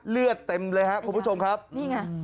เลือดเต็มเลยครับคุณผู้ชมครับนี่ไง